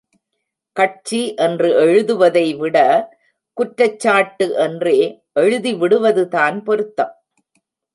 கட்சி என்று எழுதுவதைவிட, குற்றச் சாட்டு என்றே எழுதிவிடுவதுதான் பொருத்தம்.